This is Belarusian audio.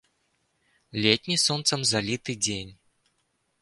Летні, сонцам заліты дзень.